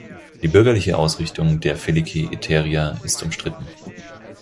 Die bürgerliche Ausrichtung der Filiki Eteria ist umstritten.